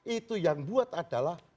itu yang buat adalah